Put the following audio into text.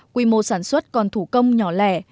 quy mô sản xuất còn thủ công nhỏ lẻ